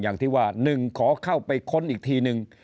อย่างที่ว่า๑ขอเข้าไปค้นอีกทีนึง